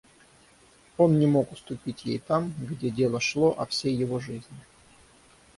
Он не мог уступить ей там, где дело шло о всей его жизни.